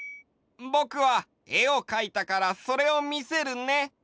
ぼくはえをかいたからそれをみせるね！